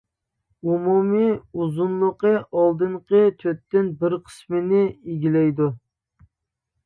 ئومۇمىي ئۇزۇنلۇقى ئالدىنقى تۆتتىن بىر قىسمىنى ئىگىلەيدۇ.